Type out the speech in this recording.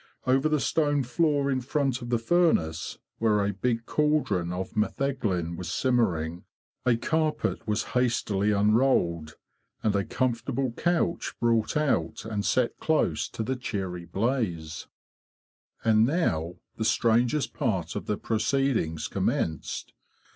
Over the stone THE PHYSICIAN IN THE HIVE 81 floor in front of the furnace—where a big caldron of metheglin was simmering—a carpet was hastily unrolled, and a comfortable couch brought out and set close to the cheery blaze. And now the strangest part of the proceedings commenced.